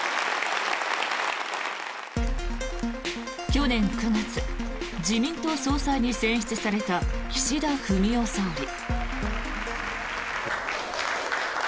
去年９月、自民党総裁に選出された岸田文雄総理。